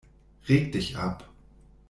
Reg dich ab.